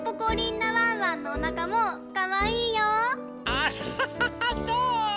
アッハハハそう？